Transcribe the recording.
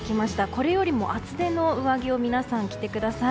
これよりも厚手の上着を皆さん、着てください。